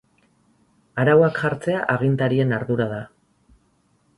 Arauak jartzea agintarien ardura da.